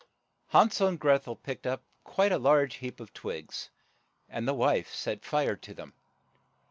Han sel and Greth el picked up quite a large heap of twigs, and the wife set fire to them.